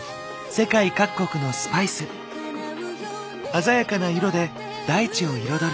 鮮やかな色で大地を彩る。